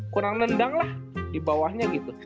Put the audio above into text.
kurang nendang lah di bawahnya gitu